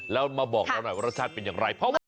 แล้วมาบอกเราหน่อยว่ารสชาติเป็นอย่างไร